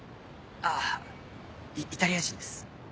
あぁ「イタリア人」です。